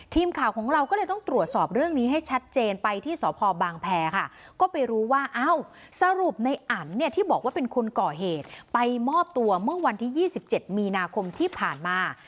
ทีมข่าวของเราก็เลยต้องตรวจสอบเรื่องนี้ให้ชัดเจนไปที่สพบางแพรค่ะก็ไปรู้ว่าเอ้าสรุปในอันเนี่ยที่บอกว่าเป็นคนก่อเหตุไปมอบตัวเมื่อวันที่๒๗มีนาคมที่ผ่านมา